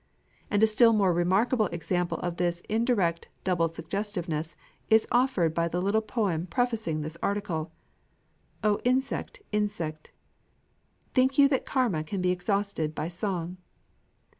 And a still more remarkable example of this indirect double suggestiveness is offered by the little poem prefacing this article, "O insect, insect! think you that Karma can be exhausted by song?"